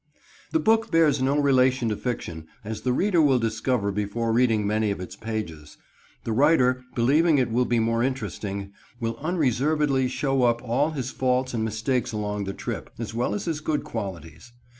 The book bears no relation to fiction, as the reader will discover before reading many of its pages. The writer, believing it will be more interesting, will unreservedly show up all his faults and mistakes along the trip, as well as his good qualities.